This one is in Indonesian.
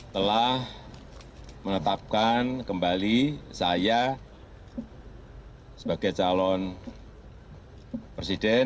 telah menetapkan kembali saya sebagai calon presiden